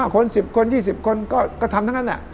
คน๑๐คน๒๐คนก็ทำทั้งนั้น